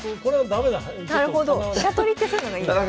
飛車取りってそういうのがいいんですね。